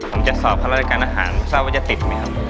ผมจะสอบข้าราชการอาหารทราบว่าจะติดไหมครับ